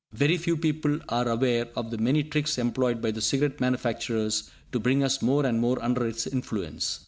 Very few people are aware of the many tricks employed by the cigarette manufacturers to bring us more and more under its influence.